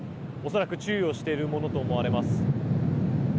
恐らく注意をしているものと思われます。